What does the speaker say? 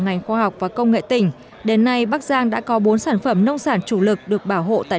ngành khoa học và công nghệ tỉnh đến nay bắc giang đã có bốn sản phẩm nông sản chủ lực được bảo hộ tại